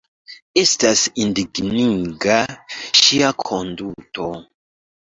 Estas indigniga ŝia konduto.